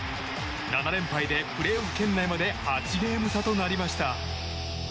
７連敗でプレーオフ圏内まで８ゲーム差となりました。